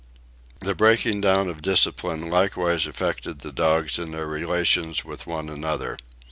The breaking down of discipline likewise affected the dogs in their relations with one another.